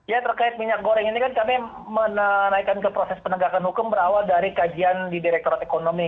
ya terkait minyak goreng ini kan kami menaikkan ke proses penegakan hukum berawal dari kajian di direkturat ekonomi